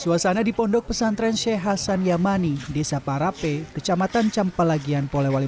suasana di pondok pesantren sheikh hasan yamani desa parape kecamatan campalagian polewali